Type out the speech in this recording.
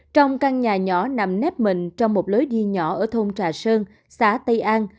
trong căn nhà nhỏ nằm nếp mình trong một lối đi nhỏ ở thôn trà sơn xã tây an